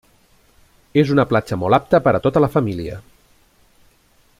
És una platja molt apta per a tota la família.